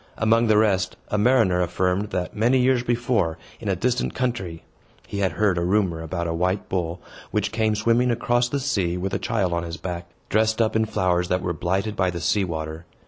Among the rest, a mariner affirmed, that, many years before, in a distant country, he had heard a rumor about a white bull, which came swimming across the sea with a child on his back, dressed up in flowers that were blighted by the sea water.